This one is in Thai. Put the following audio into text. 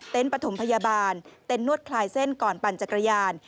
ปฐมพยาบาลเต็นนวดคลายเส้นก่อนปั่นจักรยาน